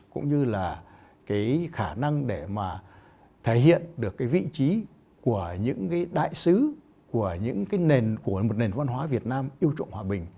cũng như là khả năng để thể hiện được vị trí của những đại sứ của một nền văn hóa việt nam yêu trọng hòa bình